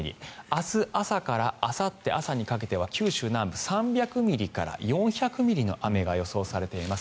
明日朝からあさって朝にかけては九州南部３００ミリから４００ミリの雨が予想されています。